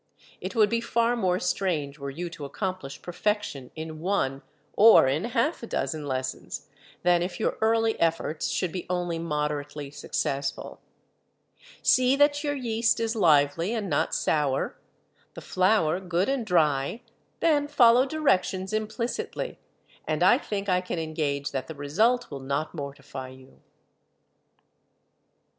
It would be far more strange were you to accomplish perfection in one, or in half a dozen lessons, than if your early efforts should be only moderately successful. See that your yeast is lively and not sour, the flour good and dry, then follow directions implicitly, and I think I can engage that the result will not mortify you.